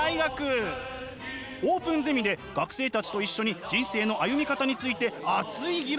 オープンゼミで学生たちと一緒に人生の歩み方について熱い議論。